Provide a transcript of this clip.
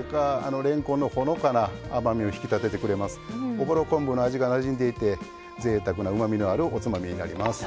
おぼろ昆布の味がなじんでいてぜいたくなうまみのあるおつまみになります。